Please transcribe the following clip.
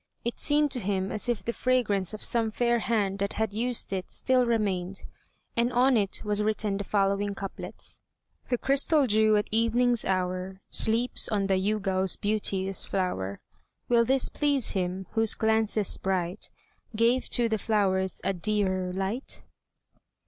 It seemed to him as if the fragrance of some fair hand that had used it still remained, and on it was written the following couplets: "The crystal dew at Evening's hour Sleeps on the Yûgao's beauteous flower, Will this please him, whose glances bright, Gave to the flowers a dearer light?"